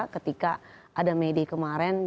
ketika ada media kemarin